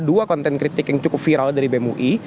dua konten kritik yang cukup viral dari bemui